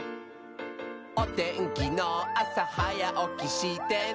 「おてんきのあさはやおきしてね」